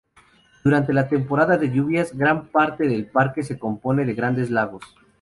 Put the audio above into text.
Durante la temporada de lluvias, gran parte del parque se compone de grandes lagos.